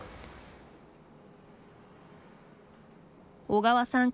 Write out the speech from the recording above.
小川さん